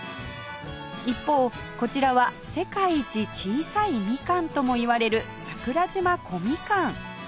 一方こちらは世界一小さいみかんともいわれる桜島小みかん